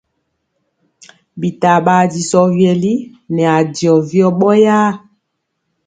Bitaa ɓaa disɔ vyɛli nɛ ajɔ vyɔ ɓɔyaa.